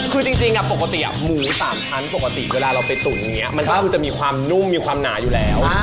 คือจริงปกติหมู๓ชั้นปกติเวลาเราไปตุ๋นอย่างนี้มันก็คือจะมีความนุ่มมีความหนาอยู่แล้ว